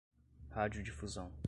radiodifusão